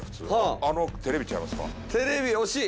テレビ惜しい！